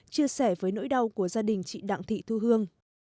chia sẻ với nỗi đau của gia đình chị đặng thị thu hương